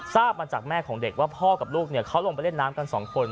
ทราบมาจากแม่ของเด็กว่าพ่อกับลูกเขาลงไปเล่นน้ำกันสองคน